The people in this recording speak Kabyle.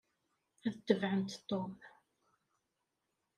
Ad tebεent Tom.